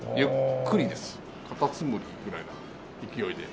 カタツムリぐらいな勢いで。